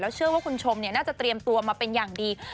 เชื่อว่าคุณชมน่าจะเตรียมตัวมาเป็นอย่างดี